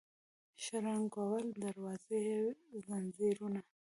شرنګول د دروازو یې ځنځیرونه